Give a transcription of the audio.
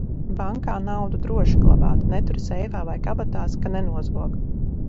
Bankā naudu droši glabāt, neturi seifā vai kabatās, ka nenozog!